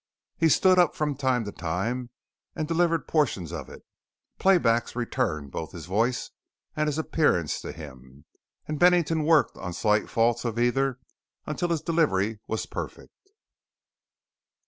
He stood up from time to time and delivered portions of it. Playbacks returned both his voice and his appearance to him, and Bennington worked on slight faults of either until his delivery was perfect.